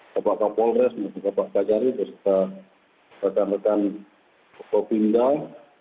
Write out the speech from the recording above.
bapak kapolres bapak kajari dan juga rekan rekan bupi indah